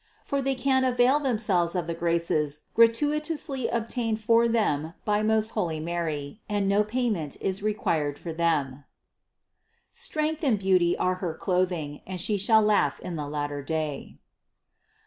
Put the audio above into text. For they can avail themselves of the graces gratui tously obtained for them by most holy Mary and no pay ment is required for them. 796. "Strength and beauty are her clothing, and she shall laugh in the latter day."